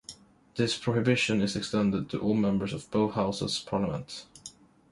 This prohibition is extended to all members of both houses of Parliament.